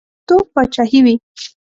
ماشومتوب پاچاهي وي.